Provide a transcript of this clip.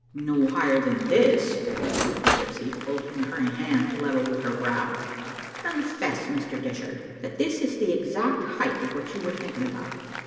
" "No higher than this," retorted the gypsy, holding her hand level with her brow. " Confess, Mr. Dishart, that this is the exact height of what you were thinking about.